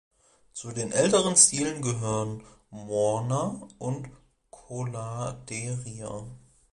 Zu den älteren Stilen gehören „Morna" und „Coladeira".